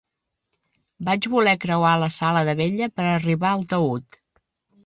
Vaig voler creuar la sala de vetlla per arribar al taüt.